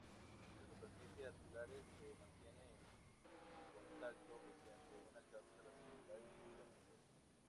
Las superficies articulares se mantienen en contacto mediante una cápsula articular y ligamentos.